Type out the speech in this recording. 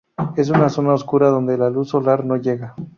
Es una zona oscura donde la luz solar no llega.